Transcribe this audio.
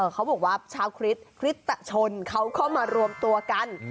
เขาบอกว่าชาวคริสต์คริสตชนเขาเข้ามารวมตัวกัน